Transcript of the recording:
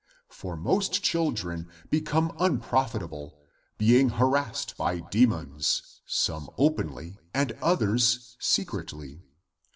For most children become unprofitable, being harassed by de mons, some openly and others secretly.